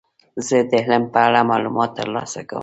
زه د علم په اړه معلومات ترلاسه کوم.